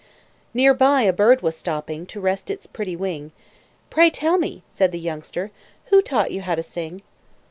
Near by a bird was stopping To rest its pretty wing "Pray, tell me," said the youngster, "Who taught you how to sing?"